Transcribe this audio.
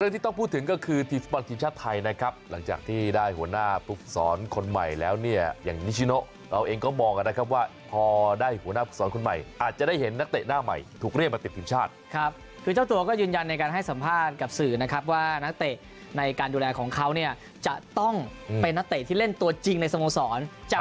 ที่ต้องพูดถึงก็คือทีมฟุตบอลทีมชาติไทยนะครับหลังจากที่ได้หัวหน้าภูกษรคนใหม่แล้วเนี่ยอย่างนิชิโนเราเองก็มองกันนะครับว่าพอได้หัวหน้าภูมิสอนคนใหม่อาจจะได้เห็นนักเตะหน้าใหม่ถูกเรียกมาติดทีมชาติครับคือเจ้าตัวก็ยืนยันในการให้สัมภาษณ์กับสื่อนะครับว่านักเตะในการดูแลของเขาเนี่ยจะต้องเป็นนักเตะที่เล่นตัวจริงในสโมสรจะ